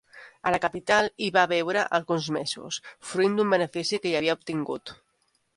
A la capital hi va veure alguns mesos, fruint d'un benefici que hi havia obtingut.